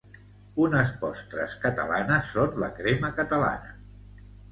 Unes postres catalanes són la crema catalana.